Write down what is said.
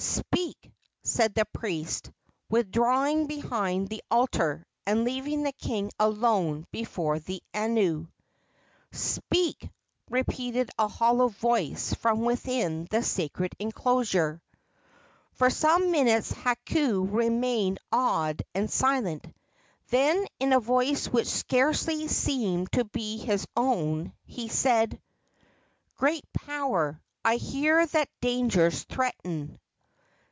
"Speak!" said the priest, withdrawing behind the altar, and leaving the king alone before the anu. "Speak!" repeated a hollow voice from within the sacred enclosure. For some minutes Hakau remained awed and silent; then, in a voice which scarcely seemed to be his own, he said: "Great power, I hear that dangers threaten."